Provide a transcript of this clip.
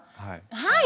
はい。